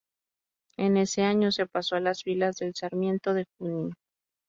En ese año se pasó a las filas del Sarmiento de Junín.